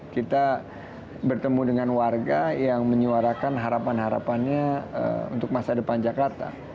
kita bertemu dengan warga yang menyuarakan harapan harapannya untuk masa depan jakarta